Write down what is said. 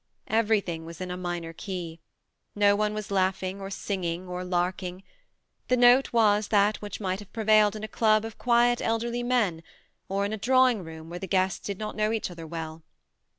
Everything was in a minor key. No one was laughing or singing or larking : the note was that which might have prevailed in a club of quiet elderly men, or in a drawing room where the guests did not know each other well.